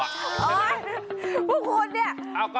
เฮ้ยพวกคุณเนี่ย